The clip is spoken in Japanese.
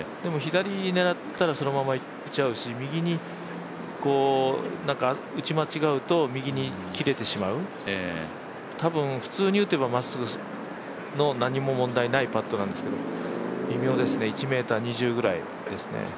左を狙ったらそのまま、いっちゃうし右に打ち間違うと右に切れてしまう多分、普通に打てばまっすぐ何も問題のない距離ですけど微妙ですね、１ｍ２０ぐらいですね。